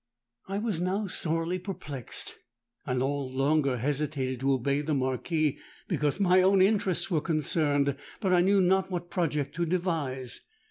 "I was now sorely perplexed: I no longer hesitated to obey the Marquis, because my own interests were concerned; but I knew not what project to devise.